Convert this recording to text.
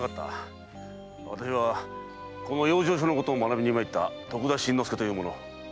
私はこの養生所のことを学びにまいった徳田新之助という者だ。